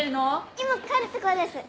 今帰るところです。